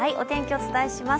お伝えします。